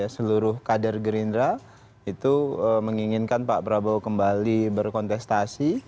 seluruh kader gerindra itu menginginkan pak prabowo kembali berkontestasi